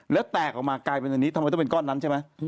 แล้วแตกออกมากลายเป็นอันนี้ทำไมต้องเป็นก้อนนั้นใช่ไหม